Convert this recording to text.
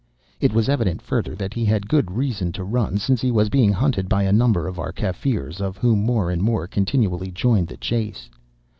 It was evident, further, that he had good reason to run, since he was being hunted by a number of our Kaffirs, of whom more and more continually joined the chase.